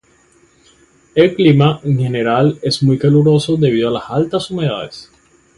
El clima, en general es muy caluroso debido a las altas humedades.